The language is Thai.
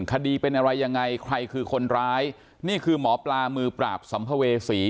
คดีเป็นอะไรยังไงใครคือคนร้ายนี่คือหมอปลามือปราบสัมภเวษี